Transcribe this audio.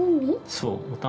そう。